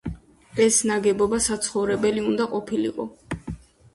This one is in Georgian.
ეს ნაგებობა საცხოვრებელი უნდა ყოფილიყო.